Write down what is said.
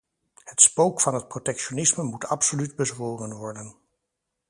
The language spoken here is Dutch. Het spook van het protectionisme moet absoluut bezworen worden.